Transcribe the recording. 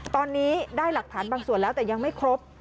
ตอนนี้ได้หลักฐานบางส่วนแล้วแต่ยังไม่ครบ